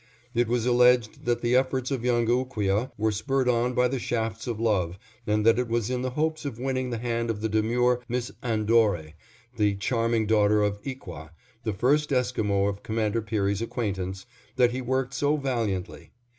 It was alleged that the efforts of young Ooqueah were spurred on by the shafts of love, and that it was in the hopes of winning the hand of the demure Miss Anadore, the charming daughter of Ikwah, the first Esquimo of Commander Peary's acquaintance, that he worked so valiantly.